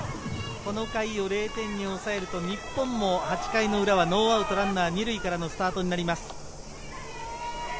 この回を０点に抑えると日本も８回の裏、ノーアウト２塁からのスタートとなります。